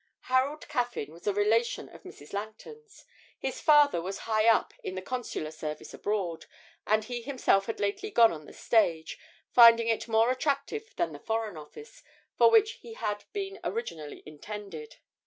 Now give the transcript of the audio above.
Harold Caffyn was a relation of Mrs. Langton's. His father was high up in the consular service abroad, and he himself had lately gone on the stage, finding it more attractive than the Foreign Office, for which he had been originally intended.